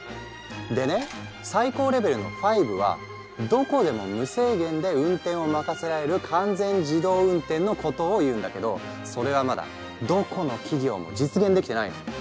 でね最高レベルの５はどこでも無制限で運転を任せられる完全自動運転のことを言うんだけどそれはまだどこの企業も実現できてないの。